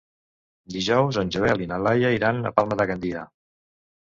Dijous en Joel i na Laia iran a Palma de Gandia.